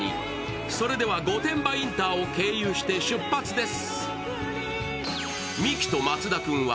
それでは御殿場インターを経由して出発です。